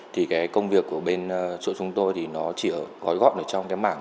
thì công việc của bên chỗ chúng tôi thì nó chỉ gói góp trong mảng